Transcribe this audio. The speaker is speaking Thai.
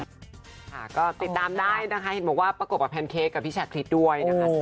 ค่ะก็ติดตามได้นะคะเห็นบอกว่าประกบกับแพนเค้กกับพี่ชาคริสด้วยนะคะ